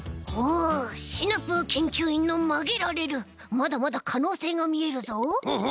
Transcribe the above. まだまだかのうせいがみえるぞ。